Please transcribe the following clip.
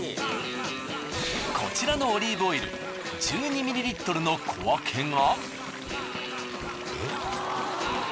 こちらのオリーブオイル１２ｍｌの小分けが。